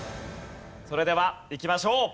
それではいきましょう！